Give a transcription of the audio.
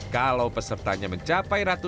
kalau pesertanya mencapai ratusan